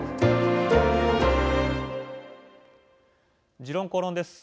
「時論公論」です。